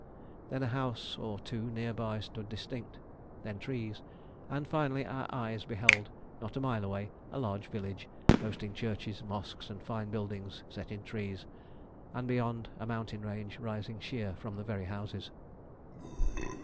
Then a house or two near by stood distinct; then trees; and finally our eyes beheld not a mile away a large village, boasting churches, mosques, and fine buildings set in trees, and beyond a mountain range rising sheer from the very houses.